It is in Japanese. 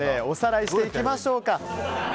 おさらいしていきましょうか。